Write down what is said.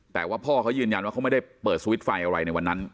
แต่ว่าพ่อเขายืนยันว่าเขาไม่ได้เปิดสวิตช์ไฟอะไรในวันนั้น